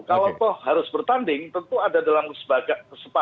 kalau kok harus bertanding tentu ada dalam sebagian kesepaman